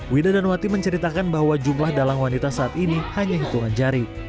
wida dan wati menceritakan bahwa jumlah dalang wanita saat ini hanya hitungan jari